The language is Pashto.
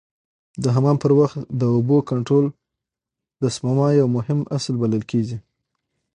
د حمام پر وخت د اوبو کنټرول د سپما یو مهم اصل بلل کېږي.